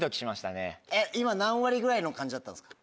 今何割ぐらいの感じだったんですか？